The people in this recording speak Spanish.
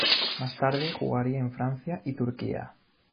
Más tarde, jugaría en Francia y Turquía.